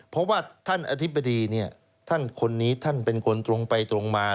เพราะว่าท่านอธิบดีเนี่ยท่านคนนี้ท่านเป็นคนตรงไปตรงมา